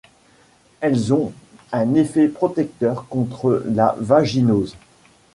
Elles ont un effet protecteur contre la vaginose.